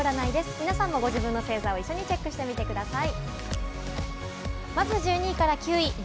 皆さんもご自分の星座を一緒にチェックしてみてください。